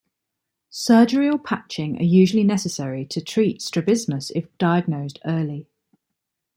Surgery or patching are usually necessary to treat strabismus if diagnosed early.